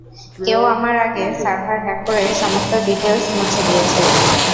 কেউ আমার আগে সার্ভার হ্যাক করে সমস্ত ডিটেইলস মুছে দিয়েছে।